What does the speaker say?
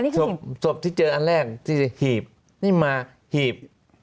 ใช่ไหมล่ะศพที่เจออันแรกที่จะหีบนี่มาหีบ